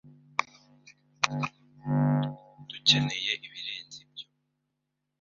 Dukeneye ibirenze ibyo.